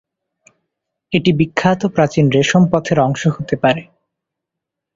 এটি বিখ্যাত প্রাচীন রেশম পথের অংশ হতে পারে।